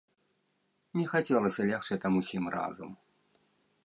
Не хацелася легчы там усім разам.